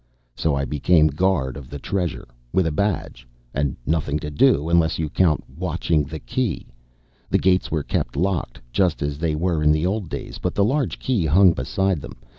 So I became guard of the Treasure. With a badge. And nothing to do unless you count watching the Key. The gates were kept locked, just as they were in the old days, but the large Key hung beside them.